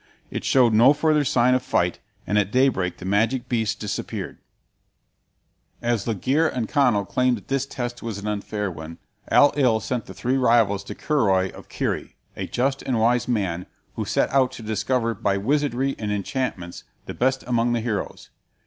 It showed no further sign of fight, and at daybreak the magic beasts disappeared. As Laegire and Conall claimed that this test was an unfair one, Ailill sent the three rivals to Curoi of Kerry, a just and wise man, who set out to discover by wizardry and enchantments the best among the heroes.